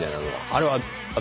あれは。